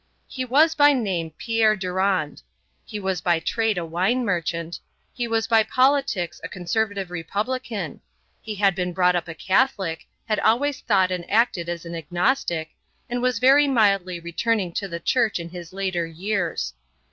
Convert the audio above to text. He was by name Pierre Durand; he was by trade a wine merchant; he was by politics a conservative republican; he had been brought up a Catholic, had always thought and acted as an agnostic, and was very mildly returning to the Church in his later years.